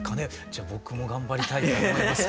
じゃ僕も頑張りたいと思います。